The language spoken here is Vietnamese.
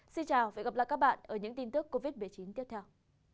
xin chào và hẹn gặp lại các bạn ở những tin tức covid một mươi chín tiếp theo